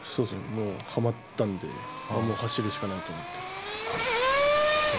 はまったので走るしかないと思って。